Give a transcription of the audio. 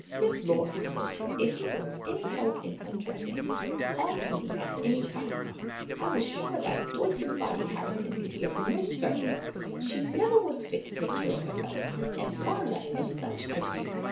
"Miss Laura! if you want any help in undressing, call to me at any time. I was sure that doited body Harrison could be of no service. She never was fit to take care of herself, and far less of such as you.